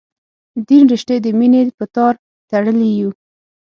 دین رشتې د مینې په تار تړلي یو.